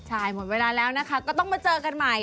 ใช่หมดเวลาแล้วนะคะก็ต้องมาเจอกันใหม่